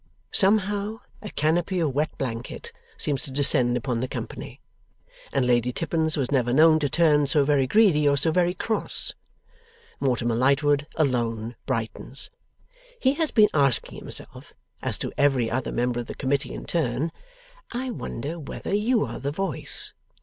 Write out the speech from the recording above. Somehow, a canopy of wet blanket seems to descend upon the company, and Lady Tippins was never known to turn so very greedy or so very cross. Mortimer Lightwood alone brightens. He has been asking himself, as to every other member of the Committee in turn, 'I wonder whether you are the Voice!